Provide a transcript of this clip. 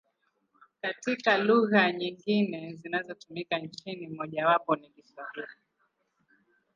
Kati ya lugha nyingine zinazotumika nchini, mojawapo ni Kiswahili.